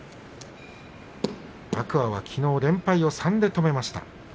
天空海は、きのう連敗を３で止めました。